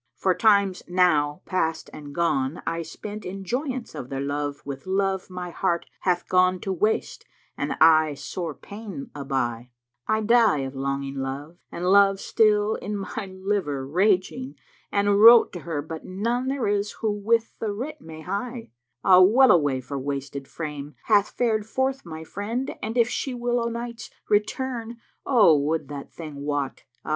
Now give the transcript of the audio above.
For times now past and gone I spent in joyance of their love * With love my heart hath gone to waste and I sore pain aby: I die of longing love and lowe still in my liver raging * And wrote to her but none there is who with the writ may hie: Ah well away for wasted frame! Hath farčd forth my friend * And if she will o' nights return Oh would that thing wot I!